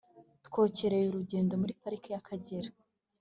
Twokereye urugendo muri parike ya kagera